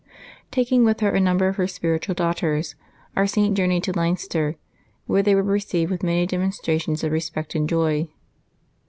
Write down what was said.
Tak ing with her a number of her spiritual daughters, our Saint journeyed to Leinster, where they were received with many demonstrations of respect and joy.